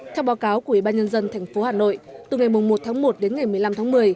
theo báo cáo của ủy ban nhân dân tp hà nội từ ngày một tháng một đến ngày một mươi năm tháng một mươi